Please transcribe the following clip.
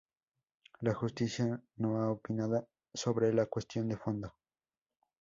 La Justicia no ha opinado sobre la cuestión de fondo.